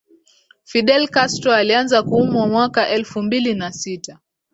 Fidel Castro alianza kuumwa mwaka elfu mbili na sita